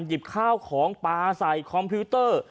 หยิบข้าวของปลาใส่คอมพิวเตอร์